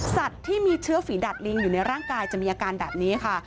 สัตว์ที่มีเชื้อฝีดัดลิงอยู่ในร่างกายจะมีอาการแบบนี้ค่ะ